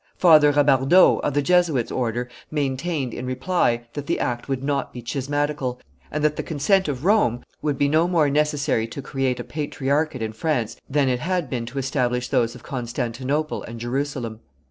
Father Rabardeau, of the Jesuits' order, maintained, in reply, that the act would not be schismatical, and that the consent of Rome would be no more necessary to create a patriarchate in France than it had been to establish those of Constantinople and Jerusalem.